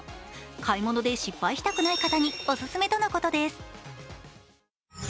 買い物で失敗したくない方にオススメとのことです。